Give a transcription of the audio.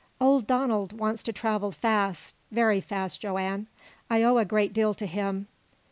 "Old Donald wants to travel fast very fast, Joanne. I owe a great deal to him.